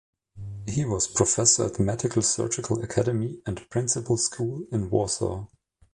He was a professor at the Medical-Surgical Academy and Principal School in Warsaw.